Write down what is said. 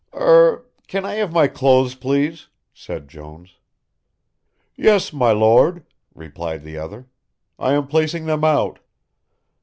"Er can I have my clothes, please?" said Jones. "Yes, my Lord," replied the other. "I am placing them out."